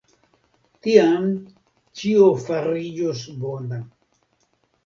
Tiam ĉio fariĝos bona.